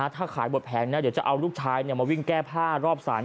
ถ้าขายหมดแผงเดี๋ยวจะเอาลูกชายมาวิ่งแก้ผ้ารอบศาล